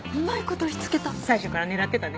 最初から狙ってたね。